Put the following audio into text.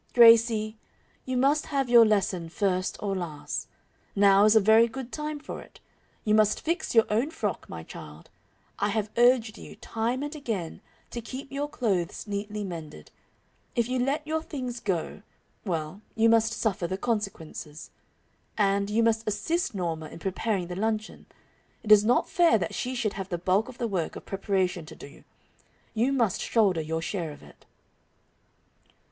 "Gracie, you must have your lesson first or last. Now is a very good time for it. You must fix your own frock, my child. I have urged you, time and again, to keep your clothes neatly mended. If you let your things go well, you must suffer the consequences. And, you must assist Norma in preparing the luncheon. It is not fair that she should have the bulk of the work of preparation to do. You must shoulder your share of it."